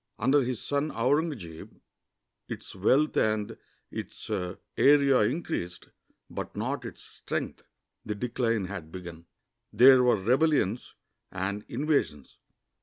Under his son Aurungzebe its wealth and its area increased, but not its strength. The decline had begim. There were rebellions and invasions.